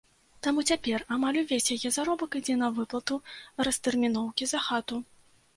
Таму цяпер амаль увесь яе заробак ідзе на выплату растэрміноўкі за хату.